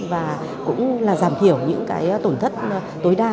và cũng là giảm thiểu những cái tổn thất tối đa